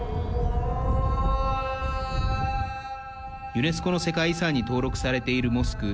ユネスコの世界遺産に登録されているモスク